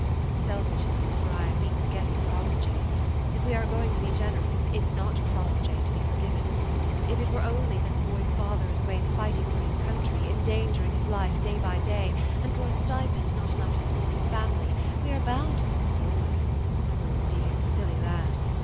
"Selfish it is, for I have been forgetting Crossjay. If we are going to be generous, is not Crossjay to be forgiven? If it were only that the boy's father is away fighting for his country, endangering his life day by day, and for a stipend not enough to support his family, we are bound to think of the boy! Poor dear silly lad!